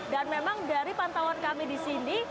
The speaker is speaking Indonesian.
memang dari pantauan kami di sini